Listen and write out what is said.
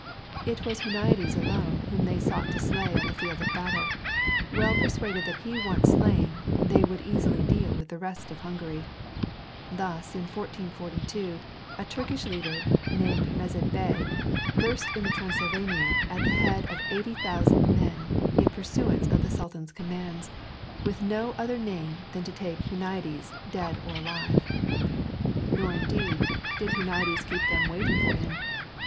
It was Huniades alone whom they sought to slay on the field of battle, well persuaded that he once slain they would easily deal with the rest of Hungary. Thus in 1442 a Turkish leader, named Mezid Bey, burst into Transylvania at the head of 80,000 men in pursuance of the sultan's commands, with no other aim than to take Huniades dead or alive. Nor indeed did Huniades keep them waiting for him.